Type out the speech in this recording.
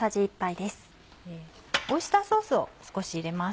オイスターソースを少し入れます。